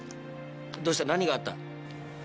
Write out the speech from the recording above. どうした何があった？